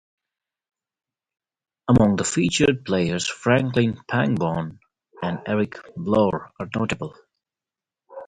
Among the featured players Franklin Pangborn and Eric Blore are notable.